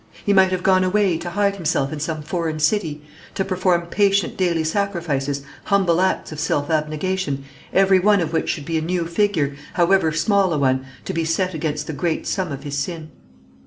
He might have gone away to hide himself in some foreign city, to perform patient daily sacrifices, humble acts of self abnegation, every one of which should be a new figure, however small a one, to be set against the great sum of his sin.